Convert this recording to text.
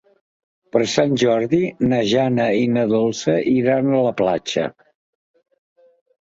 Per Sant Jordi na Jana i na Dolça iran a la platja.